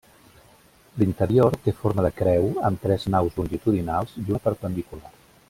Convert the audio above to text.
L'interior té forma de creu, amb tres naus longitudinals i una perpendicular.